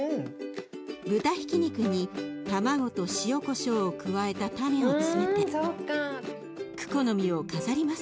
豚ひき肉に卵と塩こしょうを加えたタネを詰めてクコの実を飾ります。